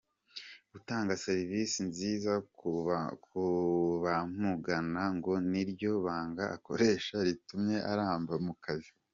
Gutanga serivisi nziza ku bamugana ngo ni ryo banga akoresha ritumye aramba mu kazi.